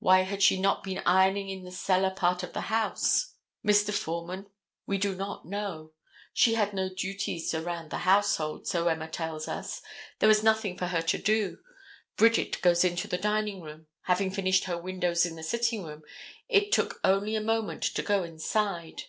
Why had she not been ironing in the cellar part of the house. Mr. Foreman, we do not know. She had no duties around the household, so Emma tells us. There was nothing for her to do. Bridget goes into the dining room. Having finished her windows in the sitting room, it took only a moment to go inside.